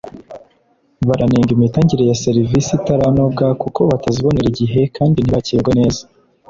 baranenga imitangire ya serivisi itaranoga kuko batazibonera igihe kandi ntibakirwe neza